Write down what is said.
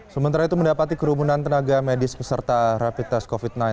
sementara itu mendapati kerumunan tenaga medis peserta rapid test covid sembilan belas